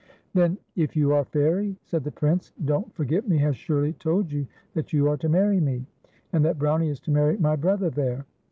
"Then if you are Fairie," said the Prince, " Don't Forget Me has surely told you that you are to marry me, and that Brownie is to marry my brother there."